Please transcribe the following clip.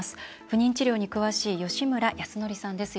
不妊治療に詳しい吉村泰典さんです。